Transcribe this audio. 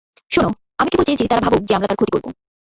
শোন, আমি কেবল চেয়েছি তারা ভাবুক যে আমরা তার ক্ষতি করবো।